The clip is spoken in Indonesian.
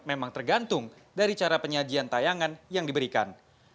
memang tergantung dari cara penyajian tayangan yang diberikan